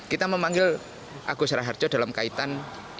kita memanggil agus raharjo dalam kaitan